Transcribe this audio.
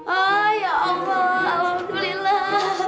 oh ya allah alhamdulillah